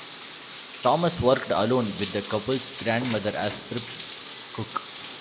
Thomas worked alone with the couple's grandmother as prep cook.